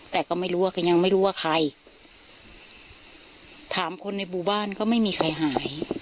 แต่ก็ไม่รู้ว่าก็ยังไม่รู้ว่าใครถามคนในหมู่บ้านก็ไม่มีใครหาย